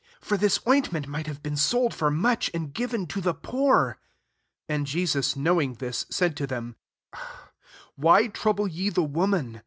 9 For this ointment might have been sold for much, and given to the poor." 10 And Jesus knowing ehisy said to them, " Why trouble ye the woman